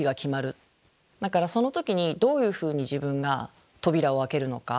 だからその時にどういうふうに自分が扉を開けるのか。